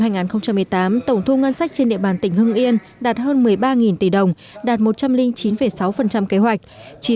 năm hai nghìn một mươi tám tổng thu ngân sách trên địa bàn tỉnh hưng yên đạt hơn một mươi ba tỷ đồng đạt một trăm linh chín sáu kế hoạch